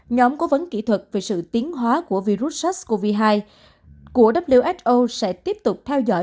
nhóm cố vấn kỹ thuật về sự tiến hóa của virus sars cov hai của who sẽ tiếp tục theo dõi